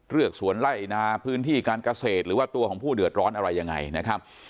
กสวนไล่นาพื้นที่การเกษตรหรือว่าตัวของผู้เดือดร้อนอะไรยังไงนะครับ